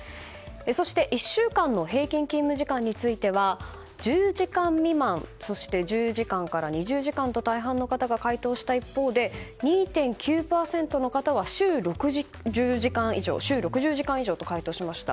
そして、１週間の平均勤務時間については１０時間未満そして１０時間から２０時間と大半の方が回答した一方で２．９％の方は週６０時間以上と回答しました。